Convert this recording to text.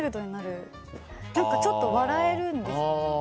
というかちょっと笑えるんですよね。